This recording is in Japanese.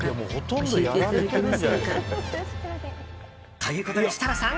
ということで、設楽さん！